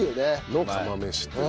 の釜飯っていう。